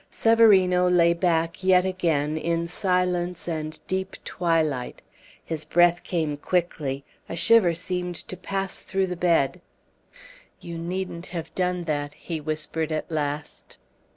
Severino lay back yet again in silence and deep twilight. His breath came quickly. A shiver seemed to pass through the bed. "You needn't have done that," he whispered at last.